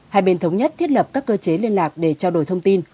hai bên thống nhất thiết lập các cơ chế liên lạc để trao đổi thông tin